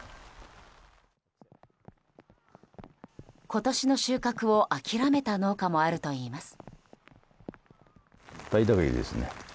今年の収穫を諦めた農家もあるといいます。